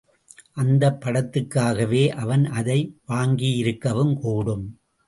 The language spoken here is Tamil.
அந்தப் படத்துக்காகவே அவன் அதை வாங்கியிருக்கவும் கூடும்.